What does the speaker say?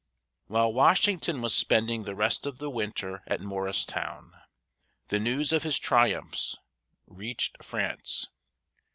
While Washington was spending the rest of the winter at Morristown, the news of his triumphs reached France.